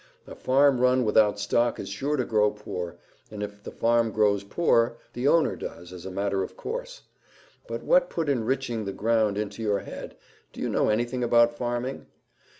A farm run without stock is sure to grow poor, and if the farm grows poor, the owner does as a matter of course. But what put enriching the ground into your head? Do you know anything about farming?"